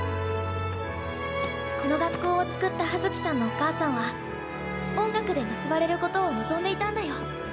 この学校をつくった葉月さんのお母さんは音楽で結ばれることを望んでいたんだよ。